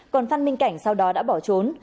còn phan minh cảnh sau đó đã bỏ trốn